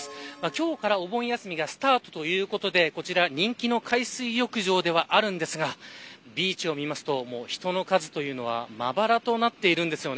今日からお盆休みがスタートということで、こちら人気の海水浴場ではあるんですがビーチを見ますと人の数はまばらとなっています。